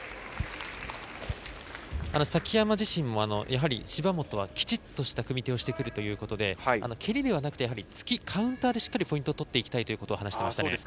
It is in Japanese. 崎山自身もやはり芝本はきちっとした組手をしてくるということで蹴りではなくて突きカウンターでしっかりポイントを取っていきたいと話していましたね。